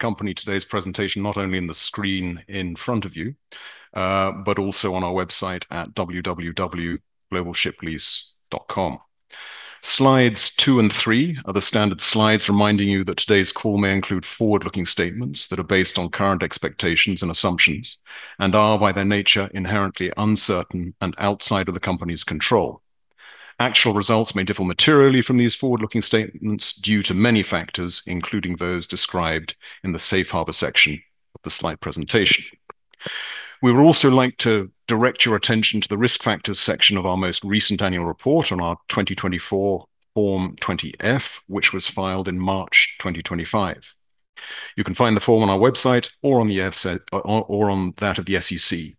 Accompany today's presentation, not only on the screen in front of you, but also on our website at www.globalshiplease.com. Slides two and three are the standard slides reminding you that today's call may include forward-looking statements that are based on current expectations and assumptions, and are, by their nature, inherently uncertain and outside of the company's control. Actual results may differ materially from these forward-looking statements due to many factors, including those described in the Safe Harbor section of the slide presentation. We would also like to direct your attention to the Risk Factors section of our most recent annual report on our 2024 Form 20-F, which was filed in March 2025. You can find the form on our website or on the EDGAR site, or on that of the SEC.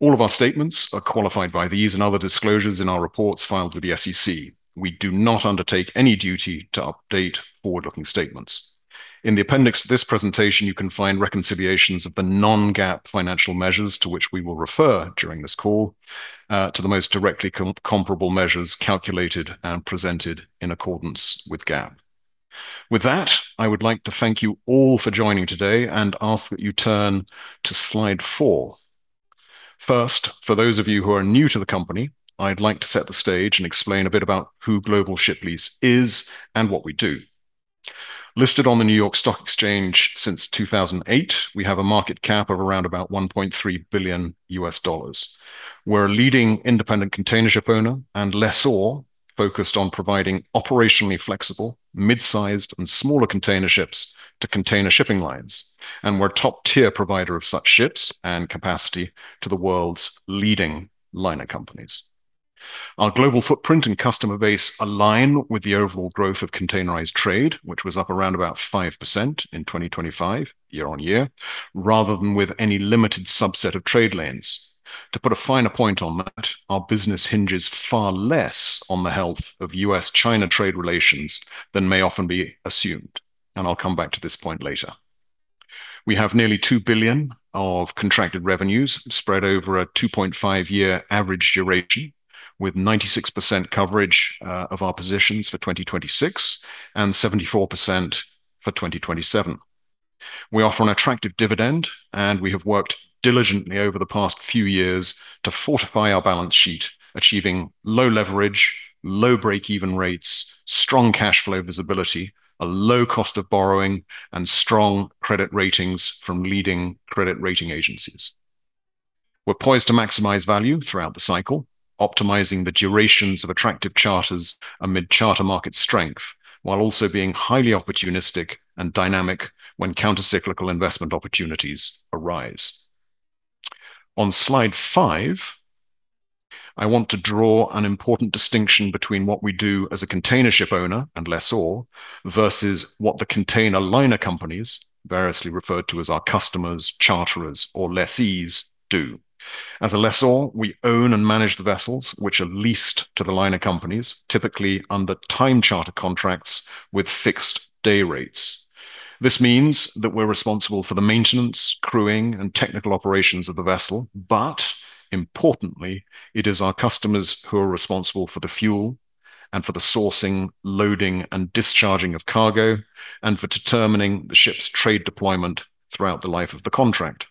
All of our statements are qualified by these and other disclosures in our reports filed with the SEC. We do not undertake any duty to update forward-looking statements. In the appendix to this presentation, you can find reconciliations of the non-GAAP financial measures to which we will refer during this call to the most directly comparable measures calculated and presented in accordance with GAAP. With that, I would like to thank you all for joining today and ask that you turn to slide four. First, for those of you who are new to the company, I'd like to set the stage and explain a bit about who Global Ship Lease is and what we do. Listed on the New York Stock Exchange since 2008, we have a market cap of around about $1.3 billion. We're a leading independent container ship owner and lessor focused on providing operationally flexible, mid-sized, and smaller container ships to container shipping lines, and we're a top-tier provider of such ships and capacity to the world's leading liner companies. Our global footprint and customer base align with the overall growth of containerized trade, which was up around about 5% in 2025, year-on-year, rather than with any limited subset of trade lanes. To put a finer point on that, our business hinges far less on the health of U.S.-China trade relations than may often be assumed, and I'll come back to this point later. We have nearly $2 billion of contracted revenues spread over a 2.5-year average duration, with 96% coverage, of our positions for 2026, and 74% for 2027. We offer an attractive dividend, and we have worked diligently over the past few years to fortify our balance sheet, achieving low leverage, low break-even rates, strong cash flow visibility, a low cost of borrowing, and strong credit ratings from leading credit rating agencies. We're poised to maximize value throughout the cycle, optimizing the durations of attractive charters amid charter market strength, while also being highly opportunistic and dynamic when countercyclical investment opportunities arise. On Slide five, I want to draw an important distinction between what we do as a container ship owner and lessor, versus what the container liner companies, variously referred to as our customers, charterers or lessees, do. As a lessor, we own and manage the vessels, which are leased to the liner companies, typically under time charter contracts with fixed day rates. This means that we're responsible for the maintenance, crewing, and technical operations of the vessel, but importantly, it is our customers who are responsible for the fuel and for the sourcing, loading, and discharging of cargo, and for determining the ship's trade deployment throughout the life of the contract.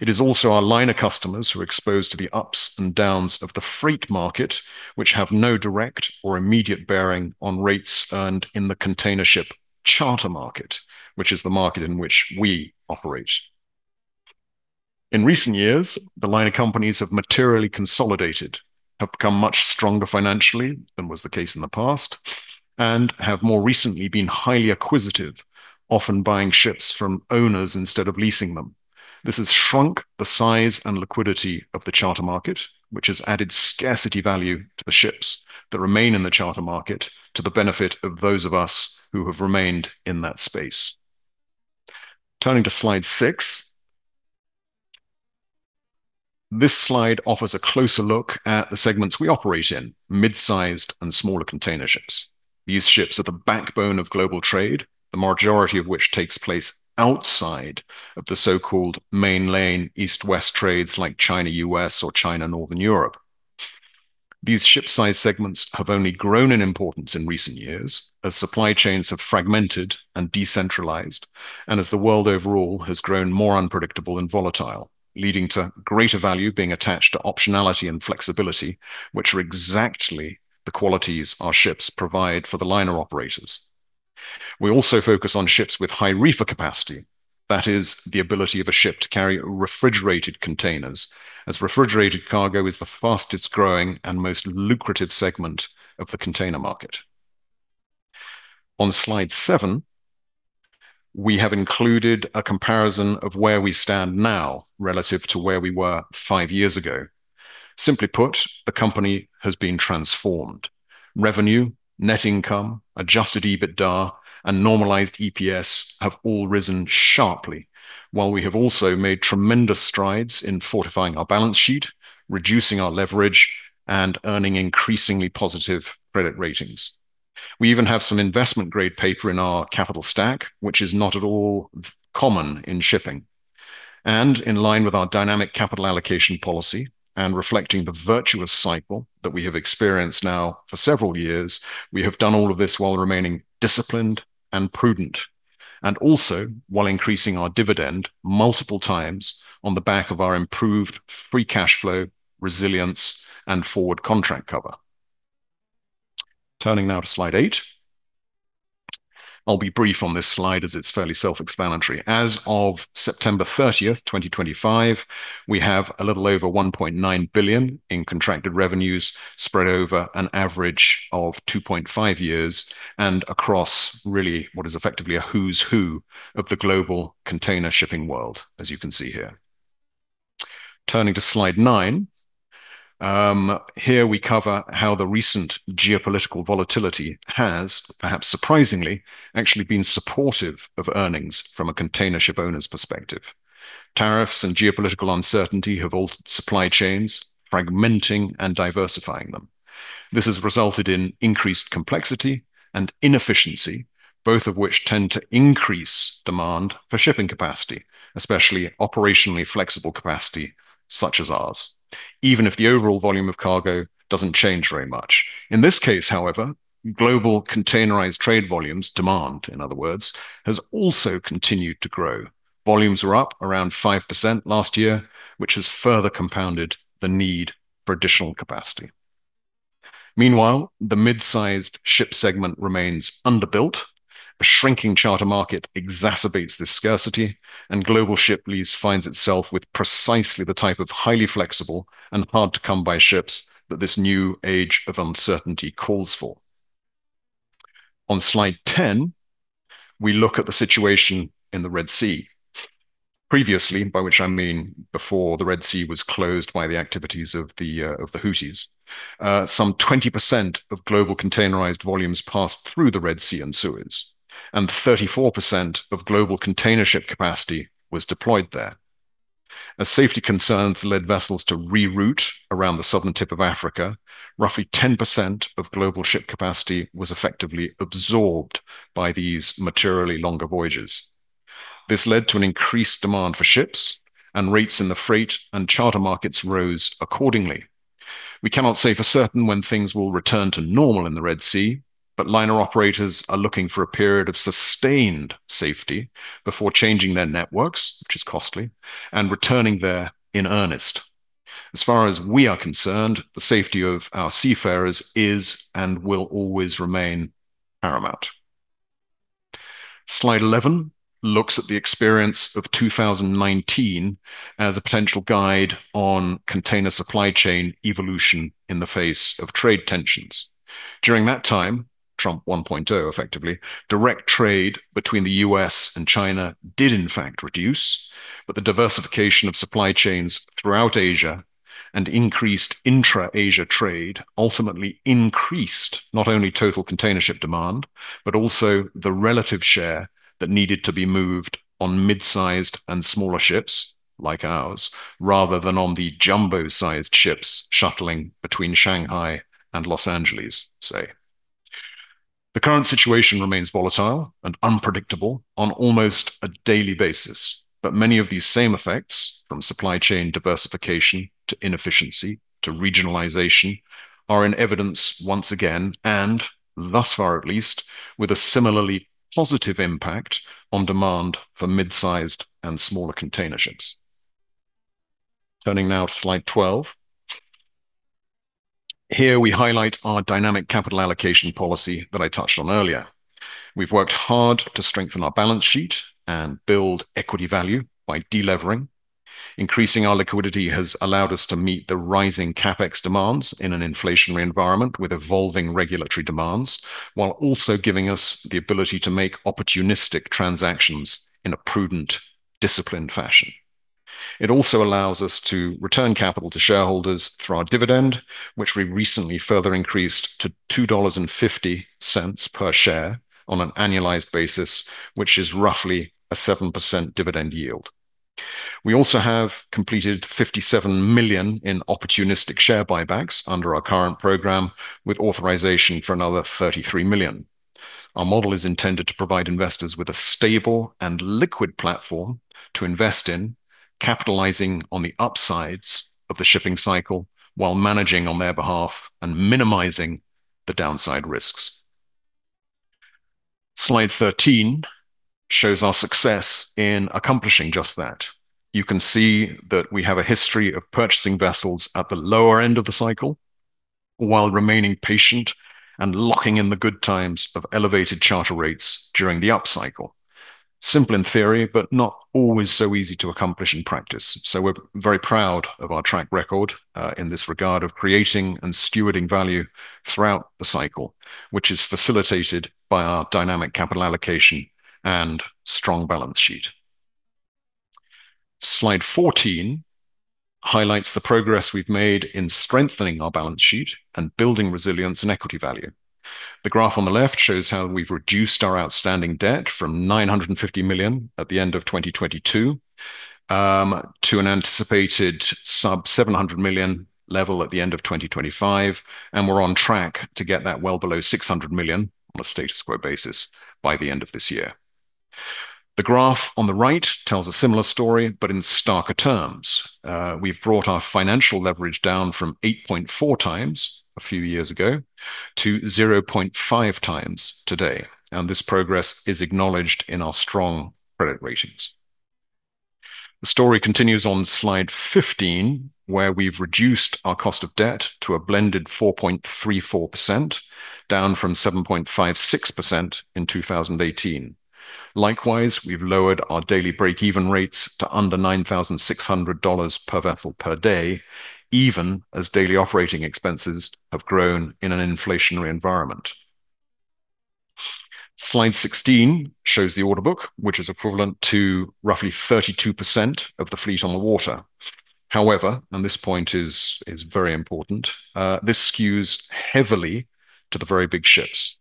It is also our liner customers who are exposed to the ups and downs of the freight market, which have no direct or immediate bearing on rates earned in the container ship charter market, which is the market in which we operate. In recent years, the liner companies have materially consolidated, have become much stronger financially than was the case in the past, and have more recently been highly acquisitive, often buying ships from owners instead of leasing them. This has shrunk the size and liquidity of the charter market, which has added scarcity value to the ships that remain in the charter market, to the benefit of those of us who have remained in that space. Turning to slide six. This slide offers a closer look at the segments we operate in, mid-sized and smaller container ships. These ships are the backbone of global trade, the majority of which takes place outside of the so-called main lane East-West trades, like China-U.S. or China-Northern Europe. These ship size segments have only grown in importance in recent years, as supply chains have fragmented and decentralized, and as the world overall has grown more unpredictable and volatile, leading to greater value being attached to optionality and flexibility, which are exactly the qualities our ships provide for the liner operators. We also focus on ships with high reefer capacity. That is, the ability of a ship to carry refrigerated containers, as refrigerated cargo is the fastest growing and most lucrative segment of the container market. On slide seven, we have included a comparison of where we stand now relative to where we were five years ago. Simply put, the company has been transformed. Revenue, net income, Adjusted EBITDA, and Normalized EPS have all risen sharply, while we have also made tremendous strides in fortifying our balance sheet, reducing our leverage, and earning increasingly positive credit ratings. We even have some investment-grade paper in our capital stack, which is not at all common in shipping. In line with our dynamic capital allocation policy and reflecting the virtuous cycle that we have experienced now for several years, we have done all of this while remaining disciplined and prudent. Also while increasing our dividend multiple times on the back of our improved free cash flow, resilience, and forward contract cover. Turning now to slide eight. I'll be brief on this slide, as it's fairly self-explanatory. As of September 30, 2025, we have a little over $1.9 billion in contracted revenues, spread over an average of 2.5 years, and across really what is effectively a who's who of the global container shipping world, as you can see here. Turning to slide nine, here we cover how the recent geopolitical volatility has, perhaps surprisingly, actually been supportive of earnings from a container ship owner's perspective. Tariffs and geopolitical uncertainty have altered supply chains, fragmenting and diversifying them. This has resulted in increased complexity and inefficiency, both of which tend to increase demand for shipping capacity, especially operationally flexible capacity such as ours, even if the overall volume of cargo doesn't change very much. In this case, however, global containerized trade volumes, demand in other words, has also continued to grow. Volumes were up around 5% last year, which has further compounded the need for additional capacity. Meanwhile, the mid-sized ship segment remains underbuilt. A shrinking charter market exacerbates this scarcity, and Global Ship Lease finds itself with precisely the type of highly flexible and hard-to-come-by ships that this new age of uncertainty calls for. On slide 10, we look at the situation in the Red Sea. Previously, by which I mean before the Red Sea was closed by the activities of the Houthis, some 20% of global containerized volumes passed through the Red Sea and Suez, and 34% of global container ship capacity was deployed there. As safety concerns led vessels to reroute around the southern tip of Africa, roughly 10% of global ship capacity was effectively absorbed by these materially longer voyages. This led to an increased demand for ships, and rates in the freight and charter markets rose accordingly. We cannot say for certain when things will return to normal in the Red Sea, but liner operators are looking for a period of sustained safety before changing their networks, which is costly, and returning there in earnest. As far as we are concerned, the safety of our seafarers is and will always remain paramount. Slide 11 looks at the experience of 2019 as a potential guide on container supply chain evolution in the face of trade tensions. During that time, Trump 1.0 effectively, direct trade between the U.S. and China did in fact reduce, but the diversification of supply chains throughout Asia and increased intra-Asia trade ultimately increased not only total container ship demand, but also the relative share that needed to be moved on mid-sized and smaller ships, like ours, rather than on the jumbo-sized ships shuttling between Shanghai and Los Angeles, say. The current situation remains volatile and unpredictable on almost a daily basis, but many of these same effects, from supply chain diversification to inefficiency to regionalization, are in evidence once again, and thus far at least, with a similarly positive impact on demand for mid-sized and smaller container ships. Turning now to slide 12. Here we highlight our dynamic capital allocation policy that I touched on earlier. We've worked hard to strengthen our balance sheet and build equity value by de-levering. Increasing our liquidity has allowed us to meet the rising CapEx demands in an inflationary environment with evolving regulatory demands, while also giving us the ability to make opportunistic transactions in a prudent, disciplined fashion. It also allows us to return capital to shareholders through our dividend, which we recently further increased to $2.50 per share on an annualized basis, which is roughly a 7% dividend yield. We also have completed $57 million in opportunistic share buybacks under our current program, with authorization for another $33 million. Our model is intended to provide investors with a stable and liquid platform to invest in, capitalizing on the upsides of the shipping cycle, while managing on their behalf and minimizing the downside risks. Slide 13 shows our success in accomplishing just that. You can see that we have a history of purchasing vessels at the lower end of the cycle, while remaining patient and locking in the good times of elevated charter rates during the upcycle. Simple in theory, but not always so easy to accomplish in practice. We're very proud of our track record in this regard of creating and stewarding value throughout the cycle, which is facilitated by our dynamic capital allocation and strong balance sheet. Slide 14 highlights the progress we've made in strengthening our balance sheet and building resilience and equity value. The graph on the left shows how we've reduced our outstanding debt from $950 million at the end of 2022 to an anticipated sub $700 million level at the end of 2025, and we're on track to get that well below $600 million on a status quo basis by the end of this year. The graph on the right tells a similar story, but in starker terms. We've brought our financial leverage down from 8.4x a few years ago to 0.5x today, and this progress is acknowledged in our strong credit ratings. The story continues on slide 15, where we've reduced our cost of debt to a blended 4.34%, down from 7.56% in 2018. Likewise, we've lowered our daily break-even rates to under $9,600 per vessel per day, even as daily operating expenses have grown in an inflationary environment. Slide 16 shows the order book, which is equivalent to roughly 32% of the fleet on the water. However, this point is very important, this skews heavily to the very big ships.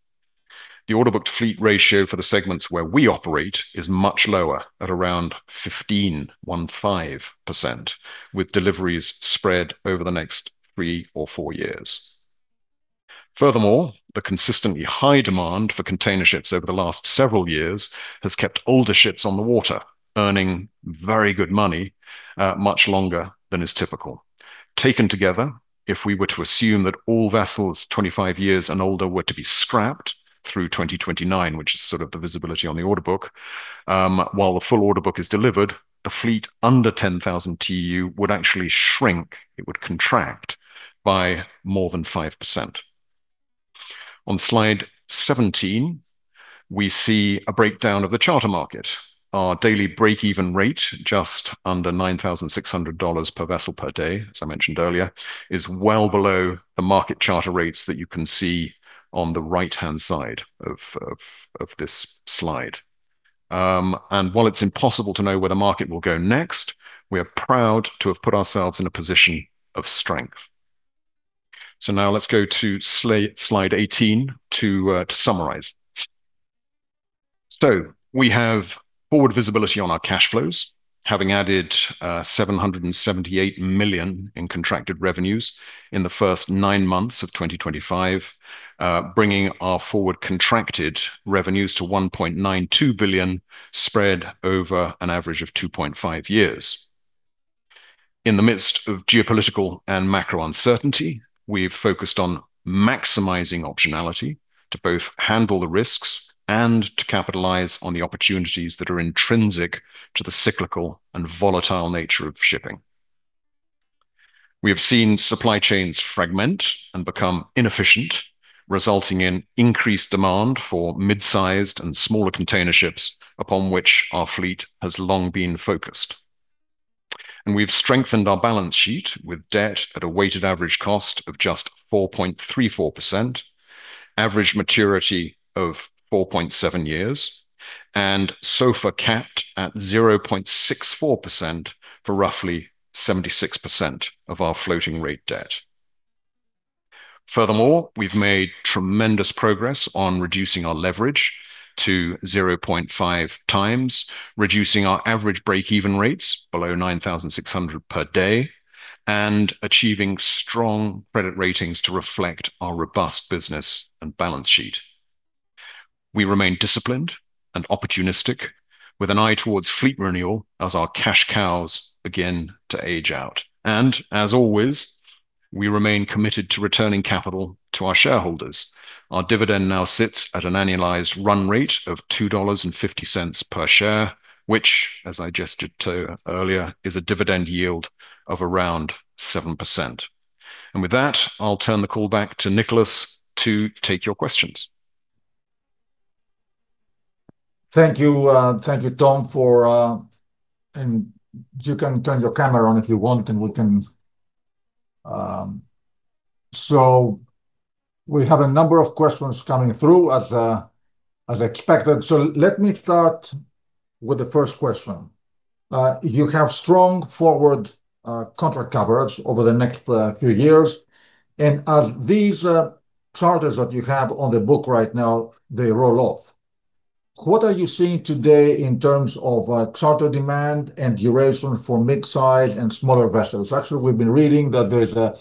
The order book to fleet ratio for the segments where we operate is much lower, at around 15%, with deliveries spread over the next three or four years. Furthermore, the consistently high demand for container ships over the last several years has kept older ships on the water, earning very good money, much longer than is typical. Taken together, if we were to assume that all vessels 25 years and older were to be scrapped through 2029, which is sort of the visibility on the order book, while the full order book is delivered, the fleet under 10,000 TEU would actually shrink, it would contract by more than 5%. On slide 17, we see a breakdown of the charter market. Our daily break-even rate, just under $9,600 per vessel per day, as I mentioned earlier, is well below the market charter rates that you can see on the right-hand side of this slide. While it's impossible to know where the market will go next, we are proud to have put ourselves in a position of strength. Now let's go to slide 18 to summarize. So we have forward visibility on our cash flows, having added $778 million in contracted revenues in the first nine months of 2025, bringing our forward contracted revenues to $1.92 billion, spread over an average of 2.5 years. In the midst of geopolitical and macro uncertainty, we've focused on maximizing optionality to both handle the risks and to capitalize on the opportunities that are intrinsic to the cyclical and volatile nature of shipping. We have seen supply chains fragment and become inefficient, resulting in increased demand for mid-sized and smaller container ships, upon which our fleet has long been focused. We've strengthened our balance sheet with debt at a weighted average cost of just 4.34%, average maturity of 4.7 years, and SOFR capped at 0.64% for roughly 76% of our floating rate debt. Furthermore, we've made tremendous progress on reducing our leverage to 0.5 times, reducing our average break-even rates below $9,600 per day, and achieving strong credit ratings to reflect our robust business and balance sheet. We remain disciplined and opportunistic, with an eye towards fleet renewal as our cash cows begin to age out. As always, we remain committed to returning capital to our shareholders. Our dividend now sits at an annualized run rate of $2.50 per share, which, as I gestured to earlier, is a dividend yield of around 7%. With that, I'll turn the call back to Nicolas to take your questions. Thank you. Thank you, Tom.You can turn your camera on if you want, and we can. So we have a number of questions coming through, as, as expected. So let me start with the first question. You have strong forward contract coverage over the next few years, and as these charters that you have on the book right now, they roll off, what are you seeing today in terms of charter demand and duration for mid-size and smaller vessels? Actually, we've been reading that there is a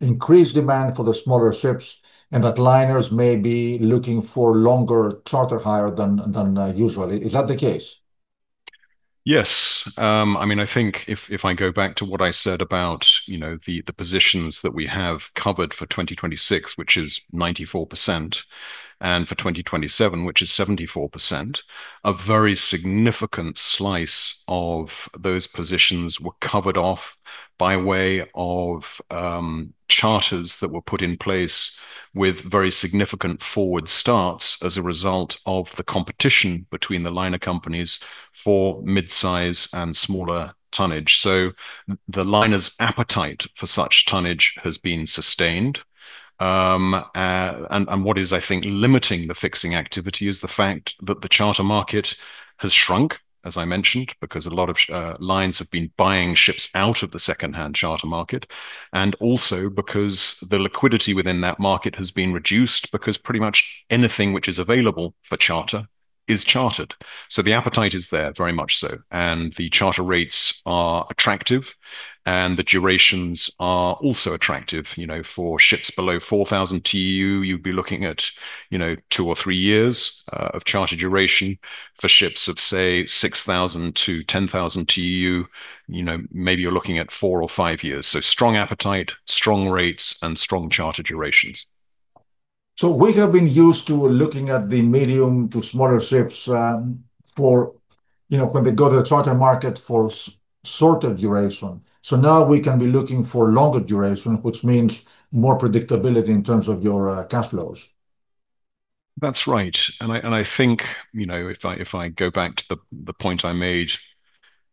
increased demand for the smaller ships, and that liners may be looking for longer charter hire than usually. Is that the case? Yes. I mean, I think if I go back to what I said about, you know, the positions that we have covered for 2026, which is 94%, and for 2027, which is 74%, a very significant slice of those positions were covered off by way of charters that were put in place with very significant forward starts as a result of the competition between the liner companies for mid-size and smaller tonnage. So the liners' appetite for such tonnage has been sustained. And what is, I think, limiting the fixing activity is the fact that the charter market has shrunk, as I mentioned, because a lot of lines have been buying ships out of the second-hand charter market, and also because the liquidity within that market has been reduced, because pretty much anything which is available for charter... is chartered. So the appetite is there, very much so, and the charter rates are attractive, and the durations are also attractive. You know, for ships below 4,000 TEU, you'd be looking at, you know, two or 3 three years, of charter duration. For ships of, say, 6,000 TEU-10,000 TEU, you know, maybe you're looking at four or five years. So strong appetite, strong rates, and strong charter durations. So we have been used to looking at the medium to smaller ships, for, you know, when they go to the charter market for shorter duration. So now we can be looking for longer duration, which means more predictability in terms of your cash flows. That's right, and I think, you know, if I go back to the point I made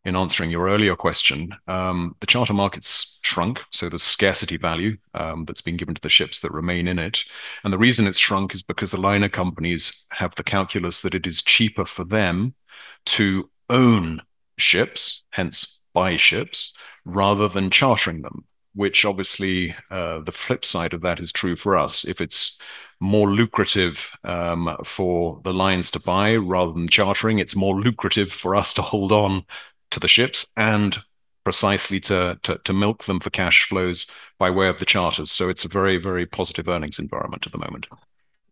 in answering your earlier question, the charter market's shrunk, so there's scarcity value that's been given to the ships that remain in it. And the reason it's shrunk is because the liner companies have the calculus that it is cheaper for them to own ships, hence buy ships, rather than chartering them, which obviously the flip side of that is true for us. If it's more lucrative for the lines to buy rather than chartering, it's more lucrative for us to hold on to the ships and precisely to milk them for cash flows by way of the charters. So it's a very, very positive earnings environment at the moment.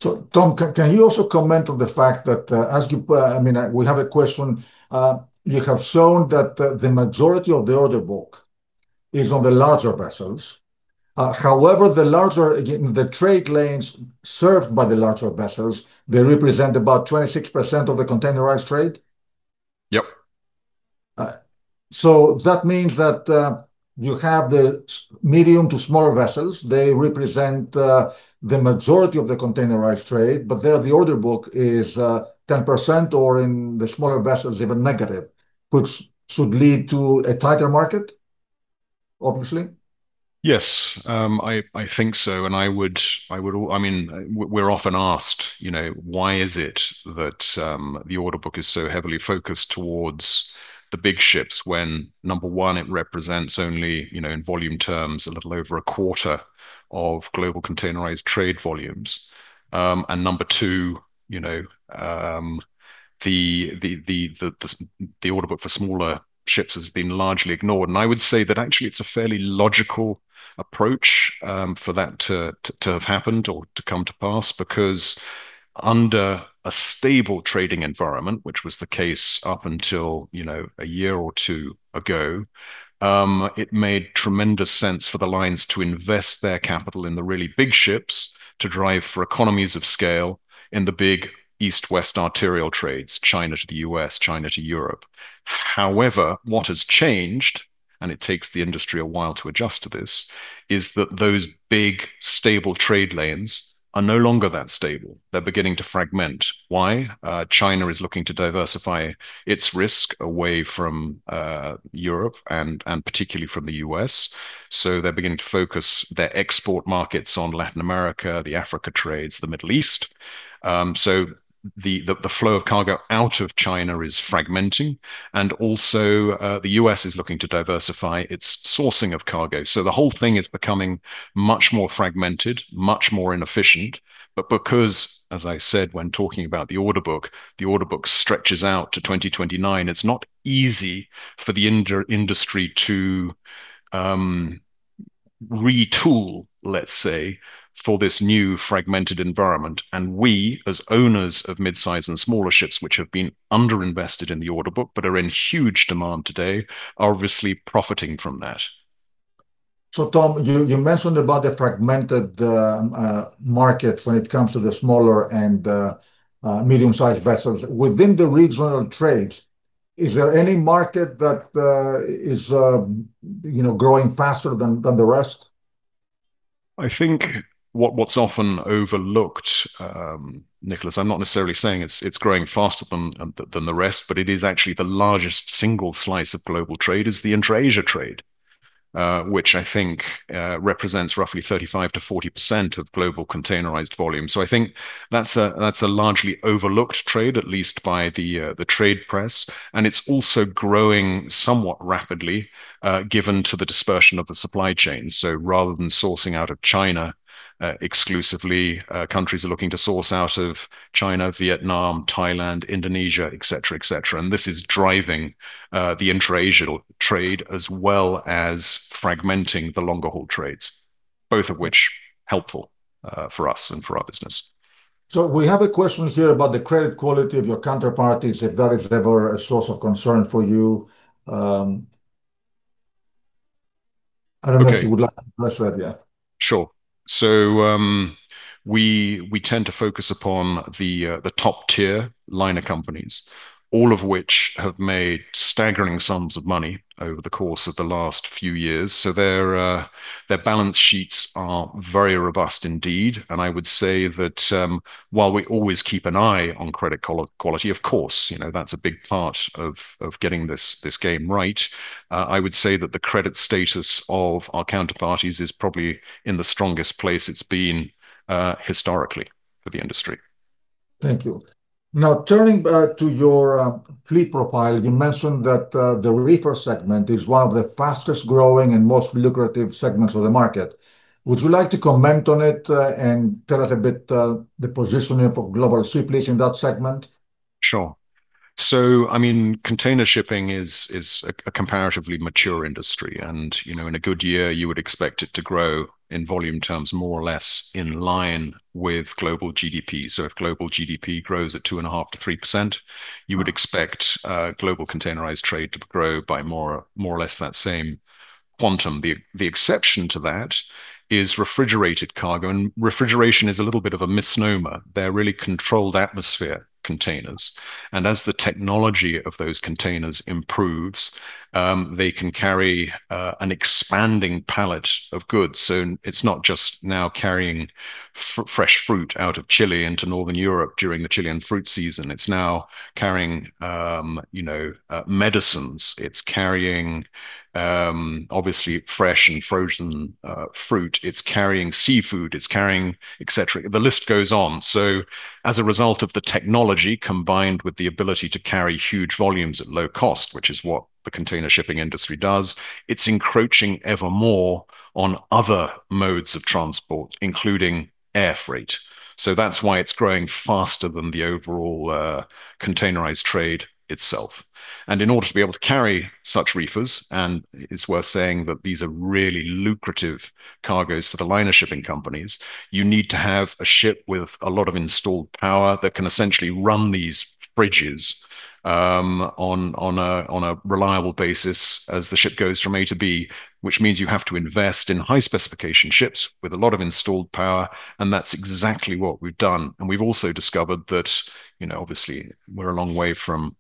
So, Tom, can you also comment on the fact that, as you I mean, we have a question. You have shown that the majority of the order book is on the larger vessels. However, the larger, again, the trade lanes served by the larger vessels, they represent about 26% of the containerized trade? Yep. So that means that you have the medium to smaller vessels, they represent the majority of the containerized trade, but there, the order book is 10%, or in the smaller vessels, even negative, which should lead to a tighter market, obviously? Yes. I think so, and I would, I mean, we're often asked, you know, Why is it that the order book is so heavily focused towards the big ships, when, number one, it represents only, you know, in volume terms, a little over a quarter of global containerized trade volumes? And number two, you know, the order book for smaller ships has been largely ignored. And I would say that actually it's a fairly logical approach for that to have happened or to come to pass, because under a stable trading environment, which was the case up until, you know, a year or two ago, it made tremendous sense for the lines to invest their capital in the really big ships, to drive for economies of scale in the big East-West arterial trades, China to the US, China to Europe. However, what has changed, and it takes the industry a while to adjust to this, is that those big, stable trade lanes are no longer that stable. They're beginning to fragment. Why? China is looking to diversify its risk away from Europe, and particularly from the US, so they're beginning to focus their export markets on Latin America, the Africa trades, the Middle East. So the flow of cargo out of China is fragmenting, and also, the US is looking to diversify its sourcing of cargo. So the whole thing is becoming much more fragmented, much more inefficient. But because, as I said, when talking about the order book, the order book stretches out to 2029, it's not easy for the industry to retool, let's say, for this new fragmented environment. We, as owners of mid-size and smaller ships, which have been underinvested in the order book but are in huge demand today, are obviously profiting from that. So Tom, you mentioned about the fragmented market when it comes to the smaller and medium-sized vessels. Within the regional trades, is there any market that is, you know, growing faster than the rest? I think what's often overlooked, Nicolas, I'm not necessarily saying it's growing faster than the rest, but it is actually the largest single slice of global trade, is the intra-Asia trade, which I think represents roughly 35%-40% of global containerized volume. So I think that's a largely overlooked trade, at least by the trade press, and it's also growing somewhat rapidly, given to the dispersion of the supply chain. So rather than sourcing out of China exclusively, countries are looking to source out of China, Vietnam, Thailand, Indonesia, et cetera, et cetera. And this is driving the intra-Asia trade, as well as fragmenting the longer haul trades, both of which helpful for us and for our business. So we have a question here about the credit quality of your counterparties, if that is ever a source of concern for you. I don't know- Okay if you would like to address that, yeah. Sure. So, we tend to focus upon the top-tier liner companies, all of which have made staggering sums of money over the course of the last few years. So their balance sheets are very robust indeed, and I would say that while we always keep an eye on credit quality, of course, you know, that's a big part of getting this game right. I would say that the credit status of our counterparties is probably in the strongest place it's been historically for the industry. Thank you. Now, turning to your fleet profile, you mentioned that the reefer segment is one of the fastest-growing and most lucrative segments of the market. Would you like to comment on it, and tell us a bit the positioning of Global Ship Lease in that segment? So, I mean, container shipping is a comparatively mature industry, and, you know, in a good year, you would expect it to grow in volume terms more or less in line with global GDP. So if global GDP grows at 2.5%-3%, you would expect global containerized trade to grow by more or less that same quantum. The exception to that is refrigerated cargo, and refrigeration is a little bit of a misnomer. They're really controlled atmosphere containers, and as the technology of those containers improves, they can carry an expanding pallet of goods. So it's not just now carrying fresh fruit out of Chile into Northern Europe during the Chilean fruit season, it's now carrying, you know, medicines. It's carrying, obviously, fresh and frozen, fruit, it's carrying seafood, it's carrying, et cetera. The list goes on. So as a result of the technology, combined with the ability to carry huge volumes at low cost, which is what the container shipping industry does, it's encroaching ever more on other modes of transport, including air freight. So that's why it's growing faster than the overall, containerized trade itself. In order to be able to carry such reefers, and it's worth saying that these are really lucrative cargoes for the liner shipping companies, you need to have a ship with a lot of installed power that can essentially run these fridges on a reliable basis as the ship goes from A to B, which means you have to invest in high-specification ships with a lot of installed power, and that's exactly what we've done. We've also discovered that, you know, obviously, we're a long way from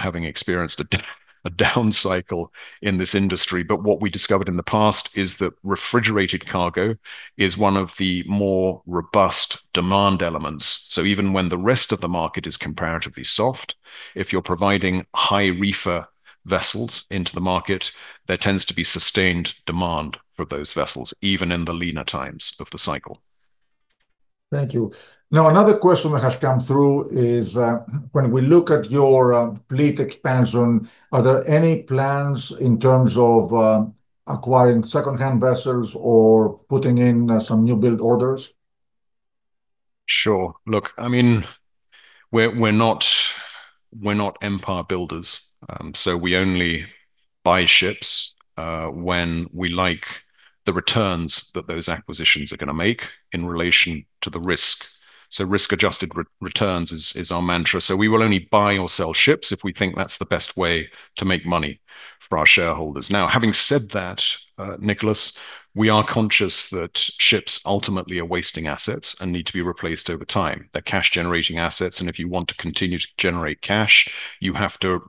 having experienced a down cycle in this industry, but what we discovered in the past is that refrigerated cargo is one of the more robust demand elements. Even when the rest of the market is comparatively soft, if you're providing high reefer vessels into the market, there tends to be sustained demand for those vessels, even in the leaner times of the cycle. Thank you. Now, another question that has come through is, when we look at your fleet expansion, are there any plans in terms of acquiring second-hand vessels or putting in some new build orders? Sure. Look, I mean, we're not empire builders. So we only buy ships when we like the returns that those acquisitions are going to make in relation to the risk. So risk-adjusted returns is our mantra. So we will only buy or sell ships if we think that's the best way to make money for our shareholders. Now, having said that, Nicholas, we are conscious that ships ultimately are wasting assets and need to be replaced over time. They're cash-generating assets, and if you want to continue to generate cash, you have to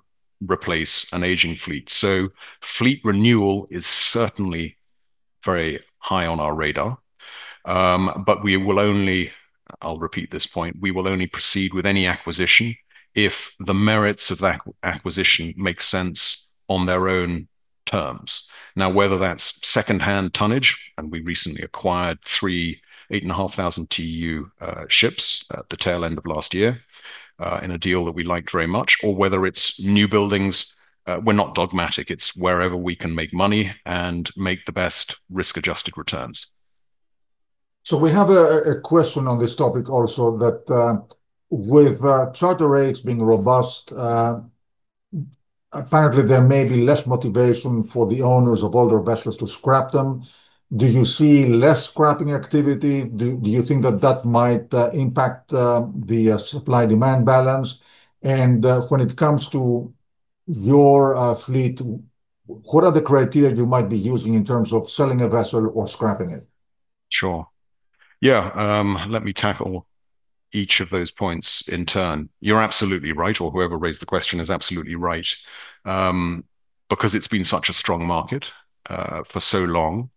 replace an aging fleet. So fleet renewal is certainly very high on our radar. But we will only... I'll repeat this point, we will only proceed with any acquisition if the merits of that acquisition make sense on their own terms. Now, whether that's second-hand tonnage, and we recently acquired three 8,500 TEU ships at the tail end of last year, in a deal that we liked very much, or whether it's new buildings, we're not dogmatic. It's wherever we can make money and make the best risk-adjusted returns. So we have a question on this topic also, that with charter rates being robust, apparently there may be less motivation for the owners of older vessels to scrap them. Do you see less scrapping activity? Do you think that might impact the supply-demand balance? And when it comes to your fleet, what are the criteria you might be using in terms of selling a vessel or scrapping it? Sure. Yeah, let me tackle each of those points in turn. You're absolutely right, or whoever raised the question is absolutely right. Because it's been such a strong market, for so long,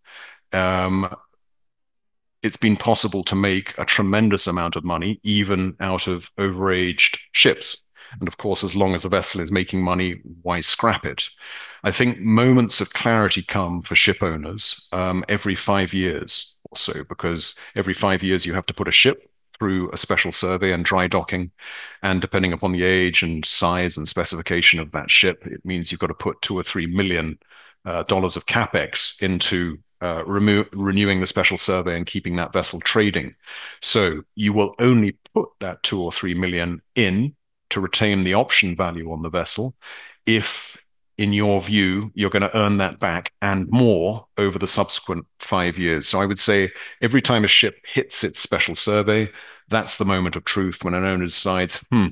it's been possible to make a tremendous amount of money, even out of over-aged ships. And of course, as long as a vessel is making money, why scrap it? I think moments of clarity come for ship owners, every five years or so, because every five years you have to put a ship through a Special Survey and Dry Docking, and depending upon the age and size and specification of that ship, it means you've got to put $2 million or $3 million of CapEx into renewing the Special Survey and keeping that vessel trading. So you will only put that $2 million-$3 million in to retain the option value on the vessel if, in your view, you're going to earn that back and more over the subsequent five years. So I would say every time a ship hits its Special Survey, that's the moment of truth when an owner decides, "Hmm,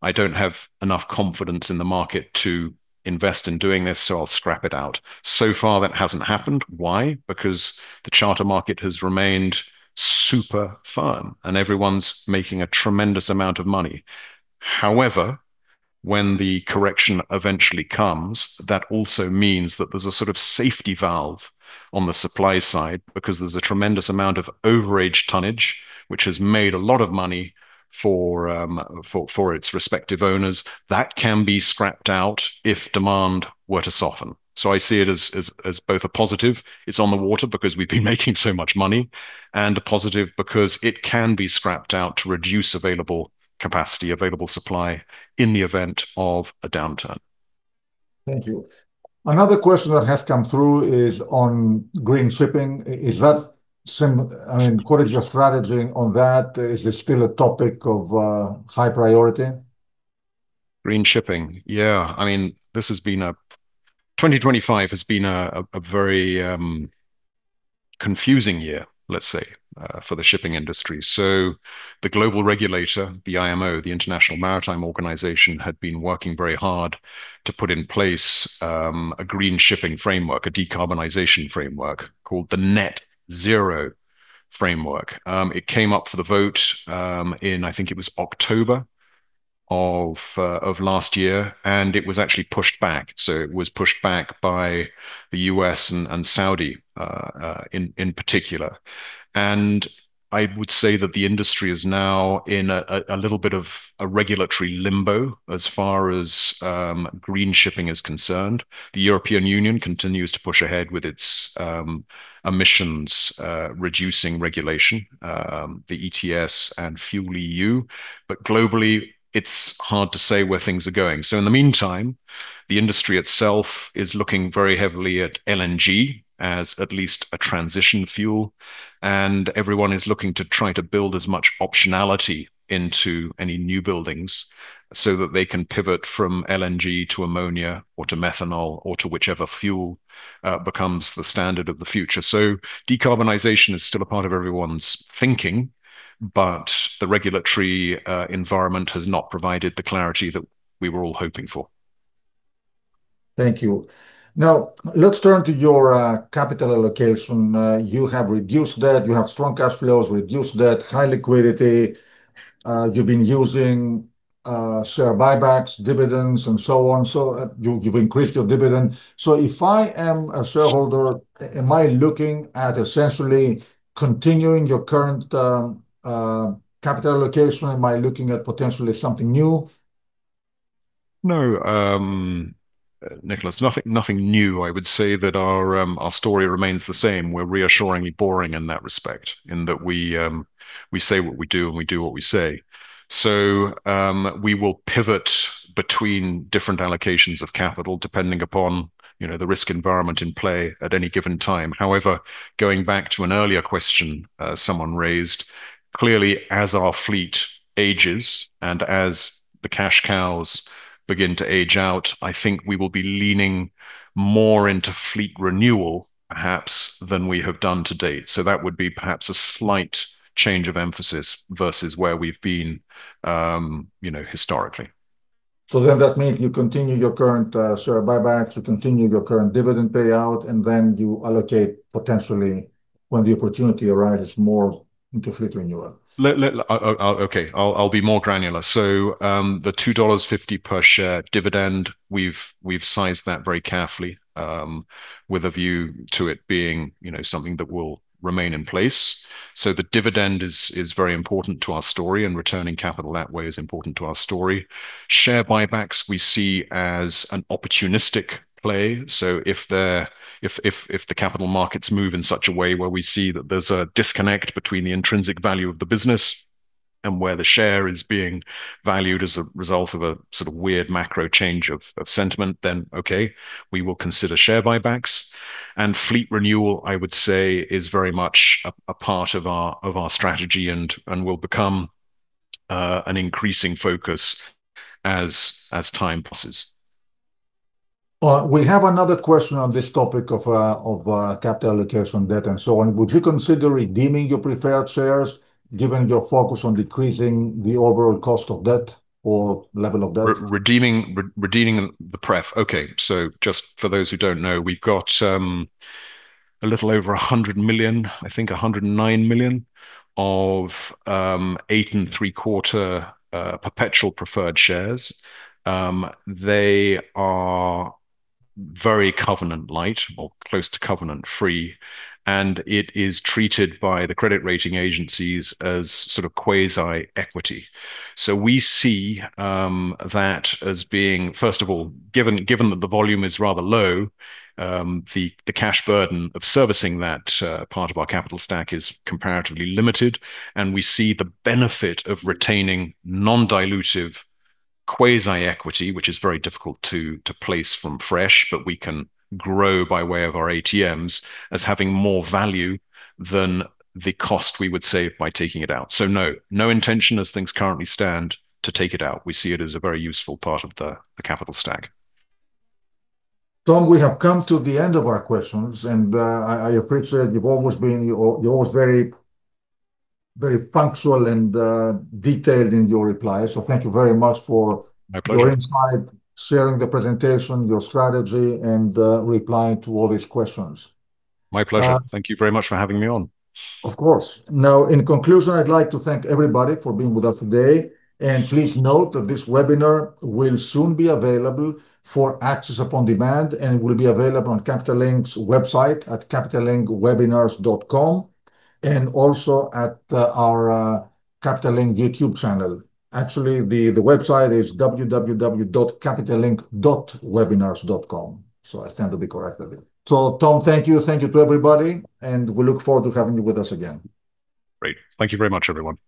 I don't have enough confidence in the market to invest in doing this, so I'll scrap it out." So far, that hasn't happened. Why? Because the charter market has remained super firm, and everyone's making a tremendous amount of money. However, when the correction eventually comes, that also means that there's a sort of safety valve on the supply side, because there's a tremendous amount of over-aged tonnage, which has made a lot of money for its respective owners. That can be scrapped out if demand were to soften. So I see it as both a positive, it's on the water because we've been making so much money, and a positive because it can be scrapped out to reduce available capacity, available supply in the event of a downturn. Thank you. Another question that has come through is on green shipping. I mean, what is your strategy on that? Is it still a topic of high priority? Green shipping. Yeah, I mean, this has been a 2025 has been a very confusing year, let's say, for the shipping industry. So the global regulator, the IMO, the International Maritime Organization, had been working very hard to put in place a green shipping framework, a decarbonization framework called the Net Zero Framework. It came up for the vote in, I think it was October of last year, and it was actually pushed back. So it was pushed back by the U.S. and Saudi in particular. And I would say that the industry is now in a little bit of a regulatory limbo as far as green shipping is concerned. The European Union continues to push ahead with its emissions reducing regulation, the ETS and FuelEU. But globally, it's hard to say where things are going. So in the meantime, the industry itself is looking very heavily at LNG as at least a transition fuel, and everyone is looking to try to build as much optionality into any new buildings so that they can pivot from LNG to ammonia, or to methanol, or to whichever fuel becomes the standard of the future. So decarbonization is still a part of everyone's thinking, but the regulatory environment has not provided the clarity that we were all hoping for. Thank you. Now, let's turn to your capital allocation. You have reduced debt, you have strong cash flows, reduced debt, high liquidity. You've been using share buybacks, dividends, and so on, so you've increased your dividend. So if I am a shareholder, am I looking at essentially continuing your current capital allocation? Am I looking at potentially something new? No, Nicolas, nothing, nothing new. I would say that our story remains the same. We're reassuringly boring in that respect, in that we say what we do, and we do what we say. So, we will pivot between different allocations of capital, depending upon, you know, the risk environment in play at any given time. However, going back to an earlier question someone raised, clearly, as our fleet ages and as the cash cows begin to age out, I think we will be leaning more into fleet renewal, perhaps, than we have done to date. So that would be perhaps a slight change of emphasis versus where we've been, you know, historically. So then that means you continue your current share buyback, to continue your current dividend payout, and then you allocate potentially, when the opportunity arises, more into fleet renewal. I'll be more granular. So, the $2.50 per share dividend, we've sized that very carefully, with a view to it being, you know, something that will remain in place. So the dividend is very important to our story, and returning capital that way is important to our story. Share buybacks, we see as an opportunistic play, so if the capital markets move in such a way where we see that there's a disconnect between the intrinsic value of the business and where the share is being valued as a result of a sort of weird macro change of sentiment, then we will consider share buybacks. Fleet renewal, I would say, is very much a part of our strategy and will become an increasing focus as time passes. We have another question on this topic of capital allocation, debt, and so on. Would you consider redeeming your preferred shares, given your focus on decreasing the overall cost of debt or level of debt? Redeeming the pref. Okay, so just for those who don't know, we've got a little over $100 million, I think $109 million, of 8.75% perpetual preferred shares. They are very covenant light or close to covenant free, and it is treated by the credit rating agencies as sort of quasi-equity. So we see that as being, first of all, given that the volume is rather low, the cash burden of servicing that part of our capital stack is comparatively limited. And we see the benefit of retaining non-dilutive quasi-equity, which is very difficult to place from fresh, but we can grow by way of our ATMs as having more value than the cost we would save by taking it out. So no, no intention as things currently stand to take it out. We see it as a very useful part of the, the capital stack. Tom, we have come to the end of our questions, and I appreciate you've always been, you're always very, very punctual and detailed in your replies. So thank you very much for- My pleasure... your insight, sharing the presentation, your strategy, and replying to all these questions. My pleasure. Uh- Thank you very much for having me on. Of course. Now, in conclusion, I'd like to thank everybody for being with us today. And please note that this webinar will soon be available for access upon demand, and it will be available on Capital Link's website at capitallinkwebinars.com, and also at our Capital Link YouTube channel. Actually, the website is www.capitallink.webinars.com, so I stand to be corrected. So Tom, thank you. Thank you to everybody, and we look forward to having you with us again. Great. Thank you very much, everyone. Thank you.